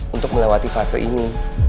untuk melewati fase ini